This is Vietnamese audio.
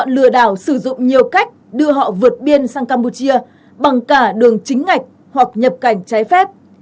lừa đảo sử dụng nhiều cách đưa họ vượt biên sang campuchia bằng cả đường chính ngạch hoặc nhập cảnh trái phép